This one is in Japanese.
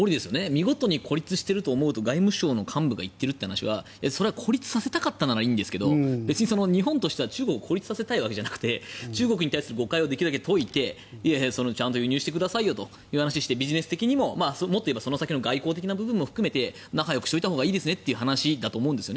見事に孤立していると思うと外務省の幹部が行っているという話はそれは孤立させたかったならいいですが別に日本としては、中国を孤立させたいわけじゃなくて中国に対する誤解をできるだけ解いてちゃんと輸入してくださいよという話をしてビジネス的にももっと言えばその先の外交的な部分も含めて仲よくしておいたほうがいいですねという話だと思うんです。